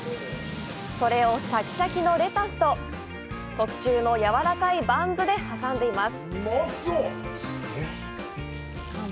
それを、シャキシャキのレタスと特注のやわらかいバンズで挟んでいます。